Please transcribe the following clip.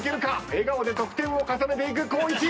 笑顔で得点を重ねていく光一。